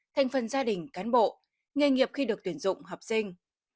thành phần gia đình cán bộ nghề nghiệp khi được tuyển dụng học sinh